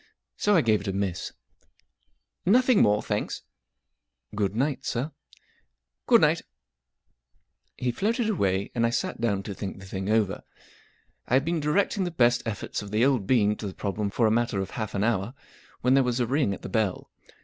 So I gave it a miss* " Nothing more, thanks," M Good night, sir/* " Good night/* He floated away, and I sat down to think the thing over* I had been directing the best efforts of the old bean to the prob¬ lem for a matter of half an hour, when there was a ring at the bell.